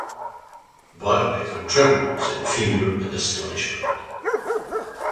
Violator trembles in fear and astonishment.